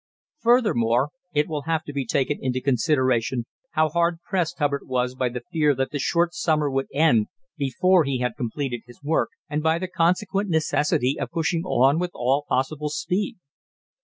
Furthermore, it will have to be taken into consideration how hard pressed Hubbard was by the fear that the short summer would end before he had completed his work, and by the consequent necessity of pushing on with all possible speed.